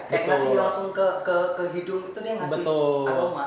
yang ngasih langsung ke hidung itu dia ngasih aroma